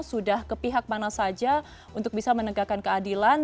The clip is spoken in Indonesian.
sudah ke pihak mana saja untuk bisa menegakkan keadilan